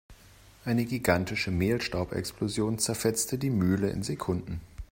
Eine gigantische Mehlstaubexplosion zerfetzte die Mühle in Sekunden.